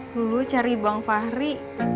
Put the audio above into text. dulu cari bang fahri